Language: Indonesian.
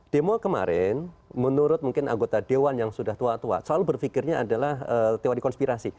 demo kemarin menurut mungkin anggota dewan yang sudah tua tua selalu berpikirnya adalah teori konspirasi